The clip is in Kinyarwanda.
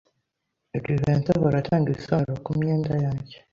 Jivency ahora atanga ibisobanuro kumyenda yanjye.